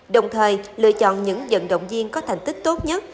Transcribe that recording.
đồng thời lựa chọn những vận động viên có thành tích tốt nhất